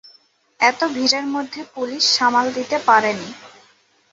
এত ভিড়ের মধ্যে পুলিশ সামাল দিতে পারেনি।